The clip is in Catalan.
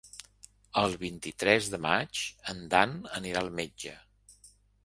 El vint-i-tres de maig en Dan anirà al metge.